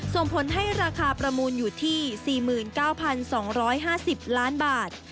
ส่งผลให้ราคาประมูลอยู่ที่๔๙๒๕๐ล้านบาท